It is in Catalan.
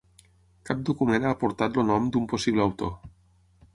Cap document ha aportat el nom d'un possible autor.